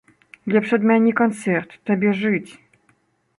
Лепш адмяні канцэрт, табе жыць.